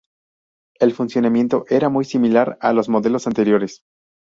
El funcionamiento era muy similar a los modelos anteriores.